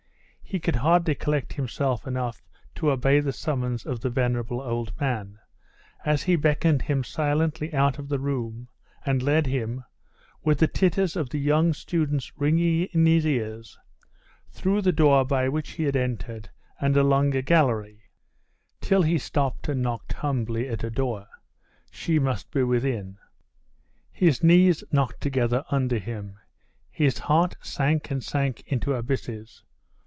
He could hardly collect himself enough to obey the summons of the venerable old man, as he beckoned him silently out of the room, and led him, with the titters of the young students ringing in his ears, through the door by which he had entered, and along a gallery, till he stopped and knocked humbly at a door.... She must be within! knocked together under him. His heart sank and sank into abysses!